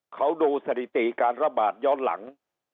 เขาดูสถิติการระบาดย้อนหลัง